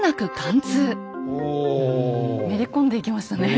めり込んでいきましたね。